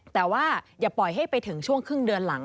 แต่ว่าอย่าปล่อยให้ไปถึงช่วงครึ่งเดือนหลัง